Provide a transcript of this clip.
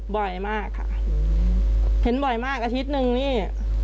บ่อยมากค่ะเห็นบ่อยมากอาทิตย์นึงนี่